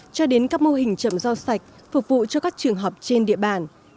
cho đến các mô hình trầm rau sạch phục vụ cho các trường hợp trên địa bàn